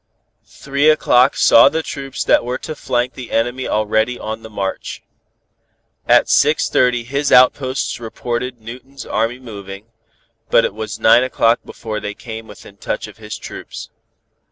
Three o'clock saw the troops that were to flank the enemy already on the march. At six thirty his outposts reported Newton's army moving, but it was nine o'clock before they came within touch of his troops.